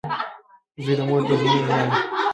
• زوی د مور د ژوند رڼا وي.